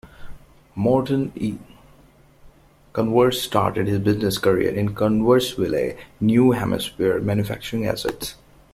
Morton E. Converse started his business career in Converseville, New Hampshire, manufacturing acids.